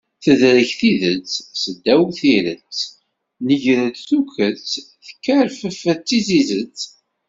Tedreg tidet, s ddaw tiret, nger-d tukket, tekkerfef d tizizet